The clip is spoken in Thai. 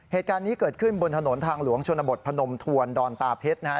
เหตุการณ์นี้เกิดขึ้นบนถนนทางหลวงชนบทพนมทวนดอนตาเพชรนะฮะ